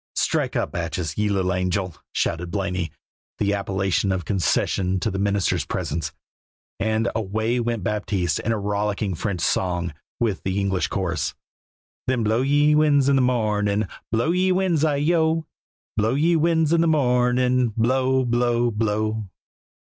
"Strike up, Batchees, ye little angel!" shouted Blaney, the appellation a concession to the minister's presence; and away went Baptiste in a rollicking French song with the English chorus Then blow, ye winds, in the morning, Blow, ye winds, ay oh! Blow, ye winds, in the morning, Blow, blow, blow.